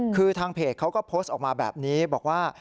คือทางเพจเขาก็โพสต์ออกมาแบบนี้บอกว่า